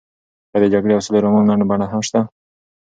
ایا د جګړې او سولې رومان لنډه بڼه هم شته؟